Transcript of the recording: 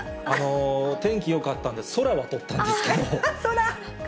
天気よかったんで、空は撮ったんですけど。